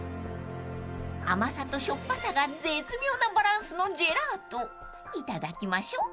［甘さとしょっぱさが絶妙なバランスのジェラートいただきましょう］